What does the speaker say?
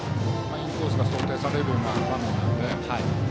インコースが想定される場面。